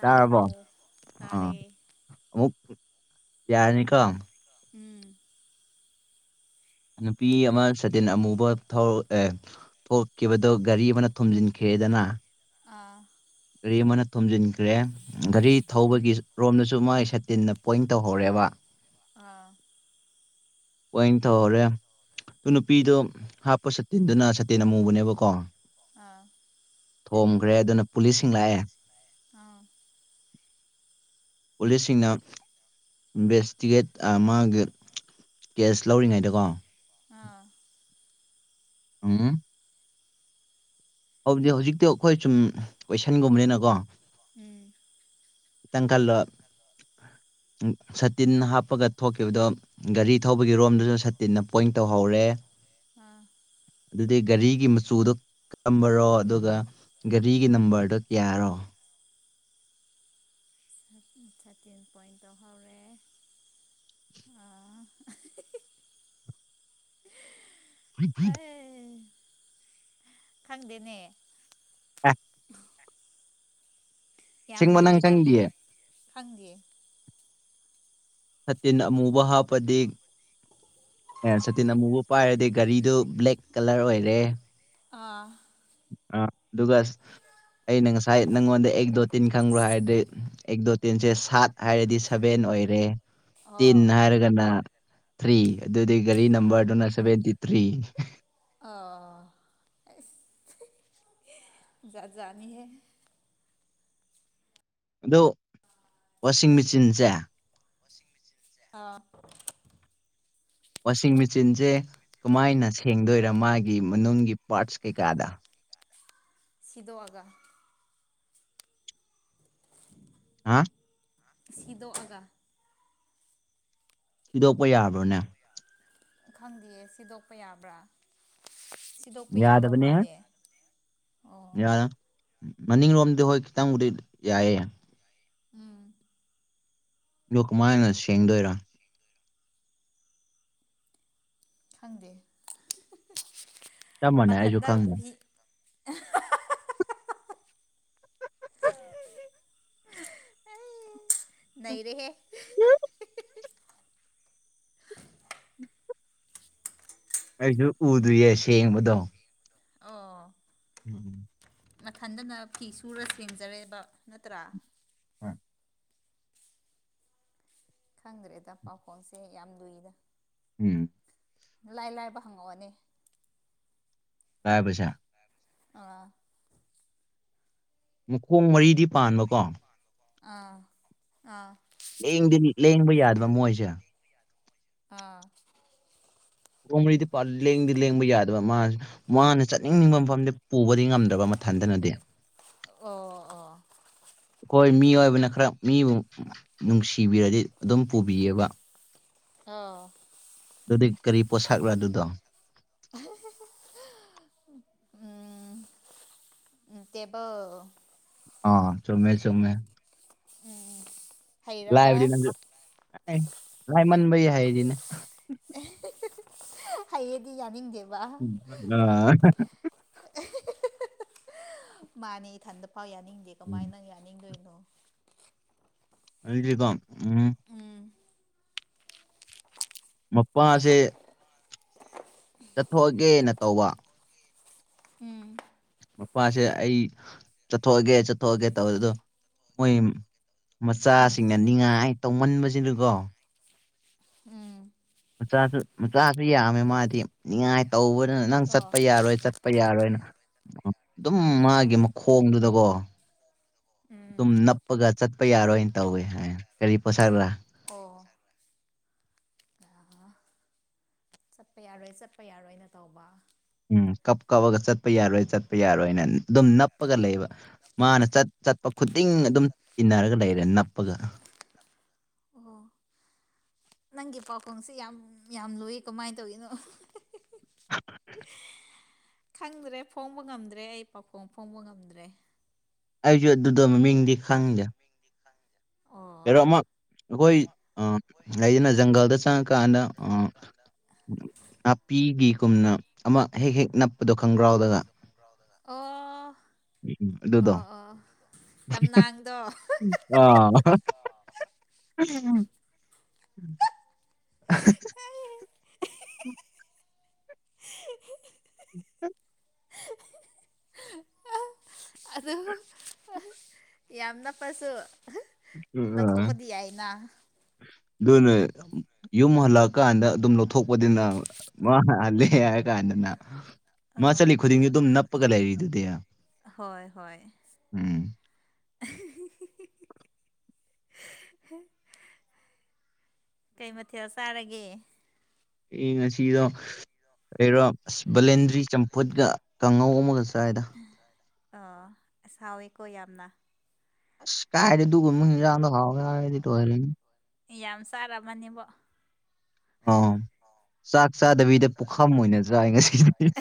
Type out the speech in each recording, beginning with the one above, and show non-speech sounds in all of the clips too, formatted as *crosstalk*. ꯇꯥꯔꯕꯣ ꯑꯥ ꯇꯥꯔꯦ ꯑꯃꯨꯛ ꯌꯥꯔꯅꯤꯀꯣ ꯎꯝ ꯅꯨꯄꯤ ꯑꯃ ꯁꯇꯤꯟ ꯑꯃꯨꯕ ꯊꯧꯔ ꯑꯦ ꯊꯣꯛꯈꯤꯕꯗꯣ ꯒꯥꯔꯤ ꯑꯃꯅ ꯊꯣꯝꯖꯤꯟꯈ꯭ꯔꯦꯗꯅ ꯑꯥ ꯒꯥꯔꯤ ꯑꯃꯅ ꯊꯣꯝꯖꯤꯟꯈ꯭ꯔꯦ ꯒꯥꯔꯤ ꯎꯝ ꯊꯧꯕꯒꯤ ꯔꯣꯝꯗꯁꯨ ꯃꯥꯢ ꯁꯥꯇꯤꯟꯅ ꯄꯣꯏꯟ ꯇꯧꯍꯧꯔꯦꯕ ꯑꯥ ꯄꯣꯢꯟ ꯇꯧꯍꯧꯔꯦ ꯑꯗꯨ ꯅꯨꯄꯤꯗꯣ ꯍꯥꯞꯄ ꯁꯥꯠꯇꯤꯟꯗꯨꯅ ꯁꯥꯇꯤꯟ ꯑꯃꯨꯕꯅꯦꯕꯀꯣ ꯑꯥ ꯊꯣꯝꯒ꯭ꯔꯦ ꯑꯗꯨꯅ ꯄꯨꯂꯤꯁꯁꯤꯡ ꯂꯥꯛꯑꯦ ꯑꯥꯎ ꯄꯨꯂꯤꯁꯁꯤꯡꯅ ꯏꯟꯚꯦꯁꯇꯤꯒꯦꯠ ꯑ ꯃꯥꯒꯤ ꯀꯦꯁ ꯂꯧꯔꯤꯉꯩꯗꯀꯣ ꯑꯥ ꯎꯝ ꯍꯧꯗꯤ ꯍꯧꯖꯤꯛꯇꯤ ꯑꯩꯈꯣꯏ ꯁꯨꯝ ꯀꯣꯏꯁꯟꯒꯨꯝꯕꯅꯤꯅꯀꯣ ꯎꯝ ꯏ ꯇꯪ ꯀꯜꯂꯣ ꯁꯇꯤꯟ ꯍꯥꯞ ꯀꯞꯄꯒ ꯊꯣꯛꯈꯤꯕꯗꯣ ꯒꯥꯔꯤ ꯊꯧꯕꯒꯤ ꯔꯣꯝꯗꯨꯁꯨ ꯁꯇꯤꯟꯅ ꯄꯣꯏꯟ ꯇꯧꯍꯧꯔꯦ ꯑꯥ ꯑꯗꯨꯗꯤ ꯒꯥꯔꯤꯒꯤ ꯃꯆꯨꯗꯣ ꯀꯔꯝꯕꯔꯣ ꯑꯗꯨꯒ ꯒꯥꯔꯤꯒꯤ ꯅꯝꯕꯔꯗꯣ ꯀꯌꯥꯔꯣ ꯁꯥꯇꯤꯟ ꯄꯣꯏꯟ ꯇꯧ ꯍꯧꯔꯦ ꯑꯦ ꯈꯪꯗꯦꯅꯦ *unintelligible* ꯌꯥꯝ ꯑꯁꯦꯡꯕ ꯅꯪ ꯂꯨꯏꯗ ꯈꯪꯗꯤꯌꯦ ꯈꯪꯗꯤꯌꯦ ꯁꯥꯇꯤꯟ ꯑꯃꯨꯕ ꯍꯥꯞꯄꯗꯤ ꯑꯦ ꯁꯥꯇꯤꯟ ꯑꯃꯨꯕ ꯄꯥꯏꯔꯗꯤ ꯒꯥꯔꯤꯗꯨ ꯕ꯭ꯂꯦꯛ ꯀꯂꯔ ꯑꯣꯏꯔꯦ ꯑꯥ ꯑ ꯑꯗꯨꯒ ꯑꯩꯅ ꯉꯁꯥꯏ ꯅꯪꯉꯣꯟꯗ ꯑꯦꯛ ꯗꯣꯇꯤꯟ ꯈꯪꯕ꯭ꯔꯣ ꯍꯥꯏꯔꯗꯤ ꯑꯦꯛ ꯗꯣ ꯇꯤꯟꯁꯦ ꯁꯥꯠ ꯍꯥꯏꯔꯗꯤ ꯁꯚꯦꯟ ꯑꯣꯏꯔꯦ ꯇꯤꯟ ꯑꯣ ꯍꯥꯏꯔꯒ ꯅ ꯊ꯭ꯔꯤ ꯑꯗꯨꯗꯤ ꯒꯥꯔꯤ ꯅꯝꯕꯔꯗꯨꯅ ꯁꯚꯦꯟꯇꯤ ꯊ꯭ꯔꯤ ꯑ ꯖꯥꯠ ꯖꯥꯠꯅꯤꯍꯦ ꯑꯗꯣ ꯋꯥꯁꯤꯡ ꯃꯦꯆꯤꯟꯁꯦ ꯋꯥꯁꯤꯡ ꯃꯦꯁꯤꯟ ꯑꯥ ꯋꯥꯁꯤꯡ ꯃꯦꯆꯤꯟꯁꯦ ꯀꯃꯥꯏꯅ ꯁꯦꯡꯗꯣꯏꯔ ꯃꯥꯒꯤ ꯃꯅꯨꯡꯒꯤ ꯄꯥꯔꯠꯁ ꯀꯩꯀꯥꯗ ꯁꯤꯗꯣꯛꯑꯒ ꯍꯥ ꯁꯤꯗꯣꯛꯑꯒ ꯁꯤꯗꯣꯛꯄ ꯌꯥꯕ꯭ꯔꯣꯅꯦ ꯈꯪꯗꯦꯌꯦ ꯁꯤꯗꯣꯛꯄ ꯌꯥꯕ꯭ꯔꯥ ꯁꯤꯗꯣꯛꯄ ꯌꯥꯕ ꯌꯥꯗꯕꯅꯦ ꯍꯦ ꯃꯥꯜꯂꯦ ꯑꯣ ꯌꯥꯔ ꯃꯅꯤꯡꯂꯣꯝꯗꯤ ꯍꯣꯏ ꯈꯤꯇꯪꯕꯨꯗꯤ ꯌꯥꯏꯌꯦ ꯎꯝ ꯑꯗꯨ ꯀꯃꯥꯏꯅ ꯁꯦꯡꯗꯣꯏꯔ ꯈꯪꯗꯦ ꯆꯞ ꯃꯥꯟꯅꯩ ꯑꯩꯁꯨ ꯃꯊꯟꯗ ꯈꯪꯗꯦ ꯐꯤ ꯅꯩꯔꯦꯍꯦ ꯑꯩꯁꯨ ꯎꯗ꯭ꯔꯤꯌꯦ ꯁꯦꯡꯕꯗꯣ ꯑꯣ ꯎꯝ ꯅꯊꯟꯗꯅ ꯐꯤ ꯁꯨꯔ ꯁꯦꯝꯖꯔꯦꯕ ꯅꯠꯇ꯭ꯔꯥ *inaudible* ꯈꯪꯗ꯭ꯔꯦꯗ ꯄꯥꯎꯈꯣꯡꯁꯦ ꯌꯥꯝ ꯂꯨꯏꯗ ꯎꯝ ꯂꯥꯏ ꯂꯥꯏꯕ ꯍꯪꯉꯛꯑꯣꯅꯦ ꯂꯥꯢꯕꯁꯦ ꯑꯥ ꯃꯈꯣꯡ ꯃꯔꯤꯗꯤ ꯄꯥꯟꯕꯀꯣ ꯑꯥ ꯑꯥ ꯂꯦꯡꯗ ꯂꯦꯡꯕ ꯌꯥꯗꯕ ꯃꯣꯏꯁꯦ ꯑꯥ *unintelligible* ꯃꯔꯤꯗꯤ ꯂꯦꯡꯗꯤ ꯂꯦꯡꯕ ꯌꯥꯗꯕ ꯃꯥꯁ ꯃꯥꯅ ꯆꯠꯅꯤꯡꯕ ꯃꯐꯝꯗꯤ ꯄꯨꯕꯗꯤ ꯉꯝꯗ꯭ꯔꯕ ꯃꯊꯟꯇꯅꯗꯤ ꯑꯣ ꯑꯣ ꯑꯩꯈꯣꯏ ꯃꯤ ꯑꯣꯏꯕꯅ ꯈꯔ ꯃꯤꯕꯨ ꯅꯨꯡꯁꯤꯕꯤꯔꯗꯤ ꯑꯗꯨꯝ ꯄꯨꯕꯤꯑꯕ ꯑꯥ ꯑꯗꯨꯗꯤ ꯀꯔꯤ ꯄꯣꯠꯁꯛꯂ ꯑꯗꯨꯗꯣ *unintelligible* ꯇꯦꯕ ꯑ ꯆꯨꯃꯦ ꯆꯨꯃꯦ ꯎꯝ ꯍꯩꯔꯕ ꯂꯥꯏꯕꯗꯤ ꯅꯪ ꯂꯥꯏꯃꯟꯕꯩ ꯍꯥꯏꯔꯤꯅꯦ ꯑꯦ ꯍꯩꯌꯦꯗꯤ ꯌꯥꯅꯤꯡꯗꯦꯕ *unintelligible* *unintelligible* ꯃꯥꯅꯦ ꯏꯊꯟꯗ ꯐꯥꯎ ꯌꯥꯅꯤꯡꯗꯦ ꯀꯃꯥꯏꯅꯪ ꯌꯥꯅꯤꯡꯗꯣꯏꯅꯣ *unintelligible* ꯗꯤꯀꯣ ꯎꯝ ꯎꯝ ꯃꯄꯥꯁꯦ ꯆꯠꯊꯣꯛꯑꯒꯦꯅ ꯇꯧꯕ ꯎꯝ ꯃꯄꯥꯁꯦ ꯑꯩ ꯆꯠꯊꯣꯛꯑꯒꯦ ꯆꯠꯊꯣꯛꯑꯒꯦ ꯇꯧ ꯑꯗꯣ ꯃꯣꯏ ꯎꯝ ꯃꯆꯥꯁꯤꯡꯅ ꯅꯤꯡꯉꯥꯏ ꯇꯧꯃꯟꯕꯁꯤꯗꯨꯀꯣ ꯎꯝ ꯃꯆꯥꯁꯨ ꯃꯆꯥꯁꯨ ꯌꯥꯝꯃꯦ ꯃꯥꯗꯤ ꯉꯥꯏ ꯇꯧꯕꯅꯤꯅ ꯅꯪ ꯑꯣ ꯆꯠꯄ ꯌꯥꯔꯣꯏ ꯆꯠꯄ ꯌꯥꯔꯣꯏꯅ ꯑꯗꯨꯝ ꯑꯥ ꯃꯥꯒꯤ ꯃꯈꯣꯡꯗꯨꯗꯀꯣ ꯑꯗꯨꯝ ꯎꯝ ꯅꯞꯄꯒ ꯆꯠꯄ ꯌꯥꯔꯣꯏꯅ ꯇꯧꯋꯦ ꯍꯥꯏ ꯀꯔꯤ ꯄꯣꯠꯁꯛꯂꯥ ꯑꯣ *unintelligible* ꯆꯠꯄ ꯌꯥꯔꯣꯏ ꯆꯠꯄ ꯌꯥꯔꯣꯏꯅ ꯇꯧꯕ ꯎꯝ ꯀꯞ ꯀꯞꯑꯒ ꯆꯠꯄ ꯌꯥꯔꯣꯏ ꯆꯠꯄ ꯌꯥꯔꯣꯏꯅ ꯑꯗꯨꯝ ꯅꯞꯄꯒ ꯂꯩꯕ ꯃꯥꯅ ꯆꯠ ꯆꯠꯄ ꯈꯨꯗꯤꯡ ꯑꯗꯨꯝ ꯏꯟꯅꯔꯒ ꯂꯩꯔꯦ ꯅꯞꯄꯒ ꯑꯣ ꯅꯪꯒꯤ ꯄꯥꯎꯈꯨꯝꯁꯤ ꯌꯥꯝ ꯌꯥꯝ ꯂꯨꯏ ꯀꯃꯥꯏꯅ ꯇꯧꯔꯤꯅꯣ *inaudible* ꯈꯪꯗ꯭ꯔꯦ ꯐꯣꯡꯕ ꯉꯝꯗ꯭ꯔꯦ ꯑꯩ ꯄꯥꯈꯣꯡ ꯐꯣꯡꯕ ꯉꯝꯗ꯭ꯔꯦ ꯑꯩꯁꯨ ꯑꯗꯨꯗꯣ ꯃꯃꯤꯡꯗꯤ ꯈꯪꯗꯦ ꯌꯥꯔꯣ ꯑꯣ ꯑꯃ ꯑꯩꯈꯣꯏ ꯑ ꯂꯩꯗꯅ ꯖꯪꯒꯜꯗ ꯆꯪꯉꯀꯥꯟꯗ ꯑ ꯅꯥꯄꯤꯒꯤꯒꯨꯝꯅ ꯑꯃ ꯍꯦꯛ ꯍꯦꯛ ꯅꯞꯄꯗꯣ ꯈꯪꯒ꯭ꯔꯥꯎꯗꯒ ꯑꯣ ꯎꯝ ꯑꯗꯨꯗꯣ ꯑꯣ ꯑꯣ ꯇꯝꯅꯥꯡꯗꯣ ꯑꯥ *unintelligible* *inaudible* ꯑꯗꯨ ꯌꯥꯝ ꯅꯞꯄꯁꯨ ꯂꯧꯊꯣꯛꯄꯗꯤ ꯌꯥꯏꯅ *unintelligible* ꯑꯗꯨꯅꯦ ꯌꯨꯝ ꯍꯜꯂꯛꯑꯀꯥꯟꯗ ꯑꯗꯨꯝ ꯂꯧꯊꯣꯛꯄꯅꯤꯅ ꯃꯥꯜꯂꯦ ꯍꯥꯏꯔ ꯀꯥꯟꯗꯅ ꯃꯥ ꯑꯣ ꯆꯍꯤꯠꯂꯤ ꯈꯨꯗꯤꯡꯁꯨ ꯑꯗꯨꯝ ꯅꯞꯄꯒ ꯂꯩꯔꯤꯗꯨꯗꯤ ꯍꯣꯏ ꯍꯣꯏ ꯎꯝ *unintelligible* ꯀꯩ ꯃꯊꯦꯜ ꯆꯥꯔꯒꯦ ꯑꯩ ꯉꯁꯤꯗ ꯑꯩꯔꯣ ꯑꯁ ꯕꯂꯦꯟꯗ꯭ꯔꯤ ꯆꯝꯐꯨꯠꯀ ꯀꯥꯡꯉꯧ ꯑꯃꯒ ꯆꯥꯏꯗ ꯑ ꯑ ꯁꯥꯎꯋꯦꯀꯣ ꯌꯥꯝꯅ ꯀꯥꯏ ꯍꯥꯏꯗꯤ ꯗꯨꯗ ꯍꯒꯗꯤ ꯇ ꯑꯣꯏꯔꯅꯤ ꯌꯥꯝ ꯆꯥꯔꯝꯃꯅꯦꯕꯣ ꯑ ꯆꯥꯛ ꯆꯥꯗꯕꯤꯗ ꯄꯨꯣꯛꯈꯥꯝ ꯑꯣꯏꯅꯖ꯭ꯔꯥ ꯍꯥꯏ ꯉꯁꯤꯗꯤ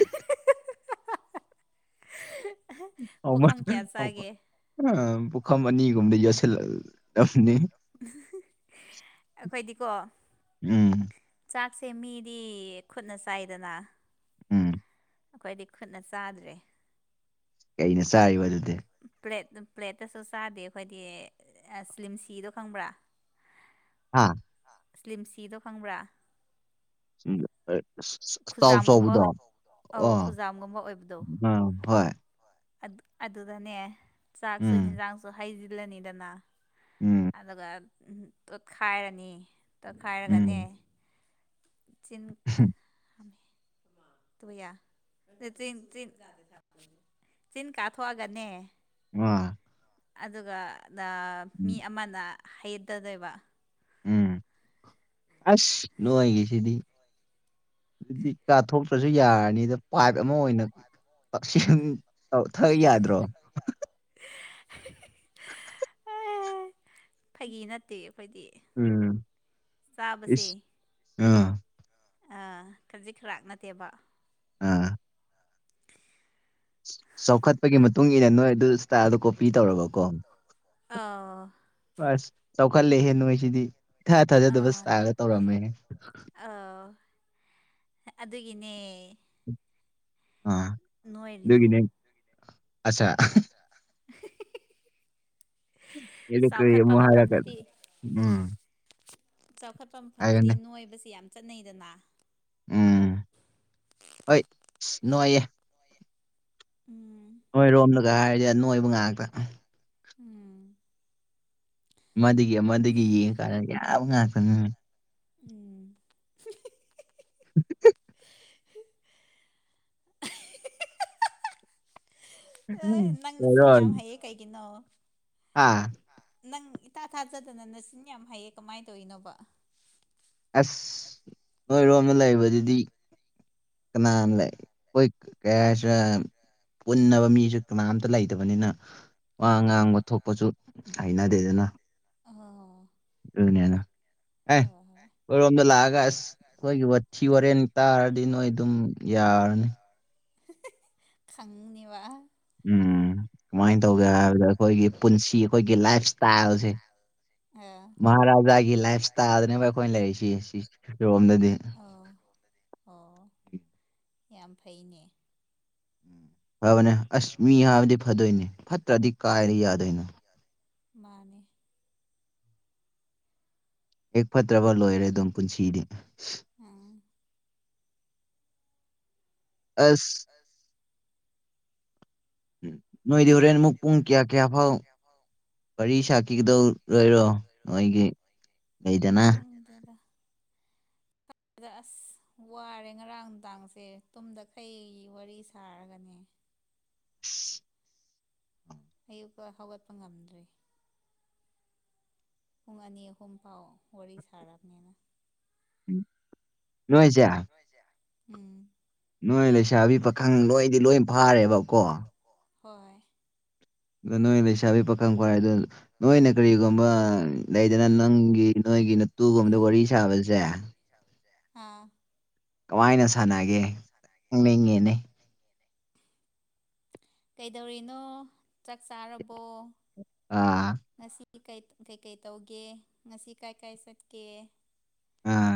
ꯃ ꯄꯨꯈꯝ ꯀꯌꯥ ꯆꯥꯒꯦ ꯄꯨꯈꯝ ꯑꯅꯤꯒꯨꯝꯗꯤ ꯌꯣꯁꯤꯜꯂꯛꯂꯝꯕꯅꯤ ꯑꯩꯈꯣꯏꯗꯤꯀꯣ ꯎꯝ ꯆꯥꯛꯁꯦ ꯃꯤꯗꯤ ꯈꯨꯠꯅ ꯆꯥꯏꯗꯅ ꯎꯝ ꯑꯩꯈꯣꯏꯗꯤ ꯈꯨꯠꯅ ꯆꯥꯗ꯭ꯔꯦ ꯀꯩꯅ ꯆꯥꯔꯤꯕ ꯑꯗꯨꯗꯤ ꯄ꯭ꯂꯦꯠ ꯄ꯭ꯂꯦꯠꯇꯁꯨ ꯆꯥꯗꯦ ꯑꯩꯈꯣꯏꯗꯤ ꯁ꯭ꯂꯤꯝ ꯁꯤꯗꯣ ꯈꯪꯕ꯭ꯔꯥ ꯑꯥ ꯁ꯭ꯂꯤꯝꯁꯤꯗꯣ ꯈꯪꯕ꯭ꯔꯥ *unintelligible* *unintelligible* ꯆꯥꯎ ꯈꯨꯖꯥꯝꯒꯨꯝꯕ ꯆꯥꯎꯕꯗꯣ ꯑꯧ ꯑꯥ ꯈꯨꯖꯥꯝꯒꯨꯝꯕ ꯑꯣꯏꯕꯗꯣ ꯎꯝ ꯍꯣꯏ ꯑꯗꯨꯗꯅꯦ ꯆꯥꯛꯁꯨ ꯎꯝ ꯌꯦꯟꯖꯥꯡꯁꯨ ꯍꯩꯖꯤꯜꯂꯅꯤꯗꯅ ꯎꯝ ꯑꯗꯨꯒ ꯇꯣꯠꯈꯥꯏꯔꯅꯤ ꯇꯣꯠꯈꯥꯏꯔꯒꯅꯦ ꯎꯝ ꯆꯤꯟ ꯍ ꯇꯨꯌꯥ ꯆꯤꯟ ꯀꯥꯊꯣꯛꯑꯒꯅꯦ ꯑ ꯑꯗꯨꯒ ꯃꯤ ꯑꯃꯅ ꯍꯌꯦꯠꯇꯗꯣꯏꯕ ꯎꯝ ꯑꯁ ꯅꯅꯨꯡꯉꯥꯏꯒꯦꯁꯤꯗꯤ ꯑꯗꯨꯗꯤ ꯀꯥꯊꯣꯛꯇ꯭ꯔꯁꯨ ꯌꯥꯔꯅꯤ ꯑꯗ ꯄꯥꯏꯞ ꯑꯃ ꯑꯣꯏꯅ ꯇꯛꯁꯦꯡ ꯑꯧ ꯊ ꯌꯥꯗ꯭ꯔꯣ *unintelligible* ꯐꯒꯤ ꯅꯠꯇꯦ ꯑꯩꯈꯣꯏꯗꯤ ꯎꯝ ꯆꯥꯕꯁꯦ ꯏꯁ ꯑꯥ ꯈꯖꯤꯛ ꯈꯔꯥꯛ ꯅꯠꯇꯦꯕ ꯑꯥ ꯆꯥꯎꯈꯠꯄꯒꯤ ꯃꯇꯨꯡ ꯏꯟꯅ ꯅꯣꯏ ꯑꯗꯨ ꯏꯁꯇꯥꯏꯜꯗ ꯀꯣꯄꯤ ꯇꯧꯔꯕꯀꯣ ꯑꯥ ꯑꯁ ꯆꯥꯎꯈꯠꯂꯦꯍꯦ ꯅꯣꯏꯁꯤꯗꯤ ꯊꯥ ꯊꯥꯖꯗꯕ ꯑꯥ ꯁꯥꯔꯒ ꯇꯧꯔꯝꯃꯦꯍꯦ ꯑ ꯑꯗꯨꯒꯤꯅꯦ ꯑꯥ ꯅꯣꯏꯔꯤꯗꯣ ꯑꯗꯨꯒꯤꯅꯦ ꯑꯠꯆꯥ *inaudible* ꯑꯗꯨ ꯀꯔꯤ ꯆꯥꯎꯈꯠꯄ ꯑꯃꯨꯛ ꯍꯥꯏꯔꯛꯀꯦ ꯃꯐꯝꯗꯗꯤ ꯎꯝ ꯆꯥꯎꯈꯠꯄ ꯃꯐꯝꯗꯗꯤ ꯍꯥꯏꯔꯅꯦ ꯅꯣꯏꯕꯕꯁꯤ ꯌꯥꯝ ꯆꯠꯅꯩꯗꯅ ꯎꯝ ꯍꯣꯏ ꯅꯨꯡꯉꯥꯏꯌꯦꯦ ꯎꯝ ꯅꯣꯏ ꯔꯣꯝꯂꯒ ꯍꯥꯏꯔꯗꯤ ꯑ ꯅꯣꯏꯕ ꯉꯥꯛꯇ ꯎꯝ ꯑꯃꯗꯒꯤ ꯑꯃꯗꯒꯤ ꯌꯦꯡꯉꯀꯥꯟꯗ ꯌꯥꯝ ꯉꯥꯛꯇ ꯉꯦ ꯎꯝ *unintelligible* *inaudible* ꯑꯦ ꯅꯪꯅ ꯃꯁꯤꯡ ꯌꯥꯝ ꯍꯩꯌꯦ ꯀꯩꯒꯤꯅꯣ ꯑꯥ ꯅꯪ ꯏꯇꯥ ꯊꯥꯖꯗꯅ ꯅꯆꯤꯟ ꯌꯥꯝ ꯍꯩꯌꯦ ꯀꯃꯥꯏꯅ ꯇꯧꯔꯤꯅꯣꯕ ꯑꯁ ꯅꯣꯏꯔꯣꯝꯗ ꯂꯩꯕꯗꯨꯗꯤ ꯅꯥꯅ ꯂꯩꯦꯣꯏ ꯀꯌꯥꯁ ꯄꯨꯟꯅꯕ ꯃꯤꯁꯨ ꯀꯅꯥꯝꯇ ꯂꯩꯇꯕꯅꯤꯅ ꯋꯥ ꯑꯥ ꯉꯥꯡꯕ ꯊꯣꯛꯄꯁꯨ ꯍꯩꯅꯗꯦꯗꯅ ꯑ ꯑꯗꯨꯅꯦꯅ ꯑꯦ ꯍꯣꯏ ꯍꯣꯏ ꯑꯩꯈꯣꯏꯔꯣꯝꯗ ꯂꯥꯛꯑꯒ ꯑꯁ ꯑꯩꯈꯣꯏꯒꯤ ꯋꯥꯊꯤ ꯋꯥꯔꯦꯟ ꯇꯥꯔꯗꯤ ꯅꯣꯏ ꯑꯗꯨꯝ ꯌꯥꯔꯅꯤ ꯈꯪꯅꯤꯕ ꯎꯝ ꯀꯃꯥꯏꯅ ꯑꯥ ꯇꯧꯒꯦ ꯍꯥꯏꯕꯗ ꯑꯩꯈꯣꯏꯒꯤ ꯄꯨꯟꯁꯤ ꯑꯩꯈꯣꯏꯒꯤ ꯂꯥꯏꯐ ꯏꯁꯇꯥꯏꯜꯁꯦ ꯑꯥ ꯃꯍꯥꯔꯥꯖꯥꯒꯤ ꯂꯥꯏꯐ ꯏꯁꯇꯥꯏꯜꯗꯅꯦꯕ ꯑꯩꯈꯣꯏ ꯂꯩꯔꯤꯁꯤ ꯔꯣꯝꯗꯗꯤ꯫ ꯑꯣ ꯑꯣ ꯌꯥꯝ ꯐꯩꯅꯦ ꯐꯕꯅꯦ ꯑꯁ ꯃꯤ ꯍꯥꯏꯕꯗꯤ ꯐꯗꯣꯏꯅꯦ ꯐꯠꯇ꯭ꯔꯗꯤ ꯀꯥꯏꯗꯩ ꯌꯥꯗꯣꯏꯅꯣ ꯌꯥꯗꯣꯏꯅꯣ ꯃꯥꯅꯦ ꯍꯦꯛ ꯐꯠꯇ꯭ꯔꯕ ꯂꯣꯏꯔꯦ ꯑꯗꯨꯝ ꯄꯨꯟꯁꯤꯗꯤ ꯎꯝ ꯑꯁ ꯑꯁ ꯎꯝ ꯅꯣꯏꯗꯤ ꯍꯨꯔꯦꯟꯃꯨꯛ ꯄꯨꯡ ꯀꯌꯥ ꯀꯌꯥ ꯐꯥꯎ ꯋꯥꯔꯤ ꯁꯥꯈꯤꯒꯗꯧꯔꯣꯏꯔꯣ ꯅꯣꯏꯒꯤ ꯂꯩꯗꯅ ꯌꯦꯗ꯭ꯔꯗ ꯁꯤꯗ ꯑꯁ ꯋꯥꯔꯦ ꯉꯔꯥꯡ ꯅꯨꯡꯗꯥꯡꯁꯦ ꯇꯨꯝꯗꯈꯩ ꯋꯥꯔꯤ ꯁꯥꯔꯒꯅꯦ *inaudible* ꯑꯌꯨꯛꯛꯇ ꯍꯧꯒꯠꯄ ꯉꯝꯗ꯭ꯔꯤ ꯄꯨꯡ ꯑꯅꯤ ꯑꯍꯨꯝ ꯄꯥꯎ ꯋꯥꯔꯤ ꯁꯥꯔꯕꯅꯤꯅ ꯂꯣꯏꯁ ꯎꯝ ꯅꯣꯏ ꯂꯩꯁꯥꯕꯤ ꯄꯥꯈꯪ ꯂꯣꯏꯗꯤ ꯂꯣꯏ ꯐꯥꯔꯦꯕꯀꯣ ꯍꯣꯏ꯫ ꯑꯗꯣ ꯅꯣꯏ ꯂꯩꯁꯥꯕꯤ ꯄꯥꯈꯪ ꯐꯥꯔꯦ ꯅꯣꯏꯅ ꯀꯔꯤꯒꯨꯝꯕ ꯂꯩꯗꯅ ꯅꯪꯒꯤ ꯅꯣꯏꯒꯤ ꯅꯇꯨꯒꯨꯝꯕꯗ ꯋꯥꯔꯤ ꯁꯥꯕꯖꯦ ꯁꯥꯕꯖꯦ ꯑꯥ ꯀꯃꯥꯏꯅ ꯁꯥꯟꯅꯒꯦ ꯈꯪꯅꯤꯡꯉꯦꯅꯦ ꯀꯩꯗꯧꯔꯤꯅꯣ ꯆꯥꯛ ꯆꯥꯔꯕꯣ ꯑ ꯉꯁꯤ ꯀꯩ ꯀꯩꯀꯩ ꯇꯧꯒꯦ ꯉꯁꯤ ꯀꯥꯏ ꯀꯥꯏ ꯆꯠꯀꯦ ꯑꯥ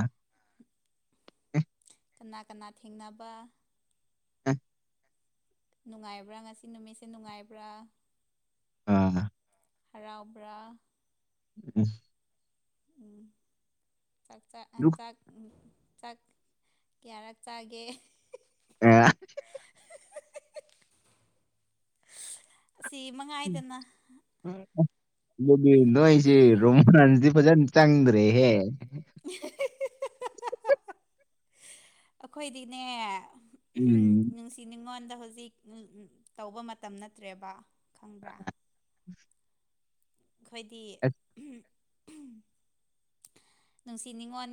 ꯀꯅꯥ ꯀꯅꯥ ꯊꯦꯡꯅꯕ *unintelligible* ꯅꯨꯡꯉꯥꯏꯕ꯭ꯔꯥ ꯉꯁꯤ ꯅꯨꯃꯤꯠꯁꯦ ꯅꯨꯡꯉꯥꯏꯕ꯭ꯔ ꯑꯥ ꯍꯔꯥꯎꯕ꯭ꯔ *unintelligible* ꯎꯝ ꯆꯥꯛ ꯆꯥ ꯆꯥꯛ ꯎꯝ ꯆꯥꯛ ꯀꯌꯥꯔꯛ ꯆꯥꯒꯦ *unintelligible* ꯑꯦ ꯁꯤꯃꯉꯥꯏꯗꯅ *unintelligible* ꯑꯗꯨꯗꯤ ꯅꯣꯏꯖꯦ ꯔꯣꯃꯥꯟꯁꯗꯤ ꯐꯖꯅ ꯆꯪꯗ꯭ꯔꯦꯍꯦ *unintelligible* ꯑꯩꯈꯣꯏꯗꯤꯅꯦ *unintelligible* ꯎꯝ ꯅꯨꯡꯁꯤ ꯅꯨꯉꯣꯟꯗ ꯍꯧꯖꯤꯛ ꯇꯧꯕ ꯃꯇꯝ ꯅꯠꯇ꯭ꯔꯦꯕ ꯈꯪꯕ꯭ꯔ꯫ ꯑꯩꯈꯣꯏꯗꯤ ꯑꯁ *unintelligible* ꯅꯨꯡꯁꯤ ꯅꯤꯉꯣꯟ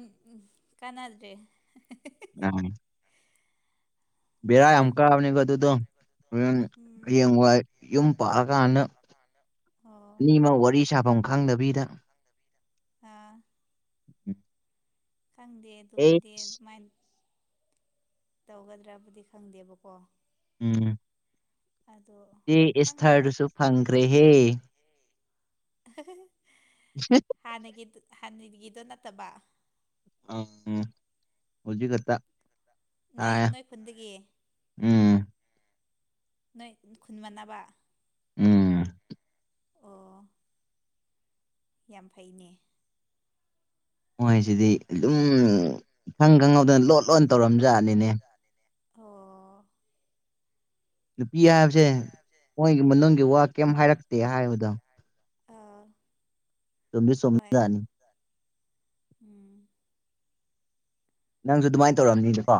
ꯀꯥꯟꯅꯗ꯭ꯔꯦ *unintelligible* *unintelligible* ꯕꯦꯔ ꯌꯥꯝ ꯀꯥꯕꯅꯤꯀꯣ ꯑꯗꯨꯗꯣ ꯎꯝ ꯍꯔꯦꯡ ꯋꯥꯏ ꯌꯨꯝ ꯄꯥꯟꯂ ꯀꯥꯟꯗ ꯑꯣ ꯅꯤꯃ ꯋꯥꯔꯤ ꯁꯥꯐꯝ ꯈꯪꯗꯕꯤꯗ ꯑꯥ ꯈꯪꯗꯦ ꯑꯦ ꯑꯗꯨꯕꯨꯗꯤ ꯑꯗꯨꯃꯥꯏꯅ ꯇꯧꯒꯗ꯭ꯔꯥꯕꯨꯗꯤ ꯈꯪꯗꯦꯕꯀꯣ ꯎꯝ ꯑꯗꯣ ꯑꯦ ꯈꯪꯗꯦꯗ ꯏꯁꯊꯔꯗꯨꯁꯨ ꯐꯪꯈ꯭ꯔꯦꯍꯦ *unintelligible* *unintelligible* ꯍꯥꯟꯅꯒꯤ ꯍꯥꯟꯅꯒꯤꯗꯣ ꯅꯠꯇꯕ ꯎꯝ ꯍꯧꯖꯤꯛꯈꯥꯇ ꯅꯣꯏ ꯅꯣꯏ ꯈꯨꯟꯗꯒꯤ ꯎꯝ ꯅꯣꯏ ꯈꯨꯟ ꯃꯥꯟꯅꯕ ꯎꯝ ꯑꯣ ꯌꯥꯝ ꯐꯩꯅꯦ ꯃꯣꯏꯖꯤꯗꯤ ꯑꯗꯨꯝ ꯏꯈꯪ ꯈꯪꯍꯧꯗꯅ ꯂꯣꯟ ꯂꯣꯟꯅ ꯇꯧꯔꯝꯖꯥꯠꯅꯤꯅꯦ ꯑꯣ ꯅꯨꯄꯤ ꯍꯥꯏꯕꯖꯦ ꯃꯣꯏꯒꯤ ꯃꯅꯨꯡꯒꯤ ꯋꯥ ꯀꯩꯝ ꯍꯥꯏꯔꯛꯇꯦ ꯍꯥꯏꯕꯗꯣ ꯑꯥ ꯆꯨꯝꯗꯤ ꯍꯣꯏ ꯆꯨꯝꯖꯥꯠꯅꯤ ꯎꯝ ꯅꯪꯖꯨ ꯑꯗꯨꯃꯥꯏꯅ ꯇꯧꯔꯝꯅꯤꯗꯀꯣ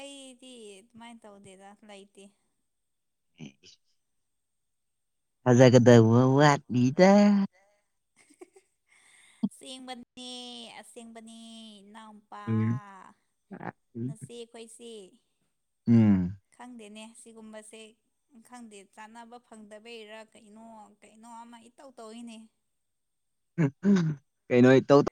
ꯑꯩꯗꯤ ꯑꯗꯨꯃꯥꯏꯅ ꯇꯧꯗꯦꯗ ꯂꯩꯇꯦ *unintelligible* ꯍꯖꯥꯒꯗꯧꯕ ꯋꯥꯠꯂꯤꯗ ꯑꯁꯦꯡꯕꯅꯦ ꯑꯁꯦꯡꯕꯅꯦ ꯅꯥꯎ ꯄꯥ ꯎꯝ ꯅꯆꯦ ꯑꯩꯈꯣꯏꯁꯦ ꯎꯝ ꯈꯪꯗꯦꯅꯦ ꯁꯤꯒꯨꯝꯕꯁꯦ ꯈꯪꯗꯦ ꯆꯥꯟꯅꯕ ꯐꯪꯗꯕꯩꯔꯥ ꯀꯩꯅꯣ ꯀꯩꯅꯣ ꯑꯃ ꯏꯇꯧ ꯇꯧꯋꯦꯅꯦ ꯀꯩꯅꯣ ꯏꯇꯧ ꯇꯧ